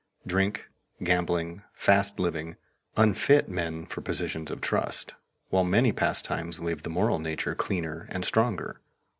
Drink, gambling, fast living, unfit men for positions of trust, while many pastimes leave the moral nature cleaner and stronger.